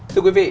thưa quý vị